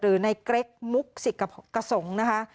หรือในเกร็กมุกสิกกระสงศ์นะคะ